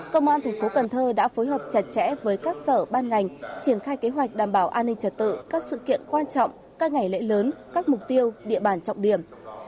công an thành phố cần thơ đã phối hợp chặt chẽ với các sở ban ngành triển khai kế hoạch đảm bảo an ninh trật tự các sự kiện quan trọng các ngày lễ lớn các mục tiêu địa bàn trọng điểm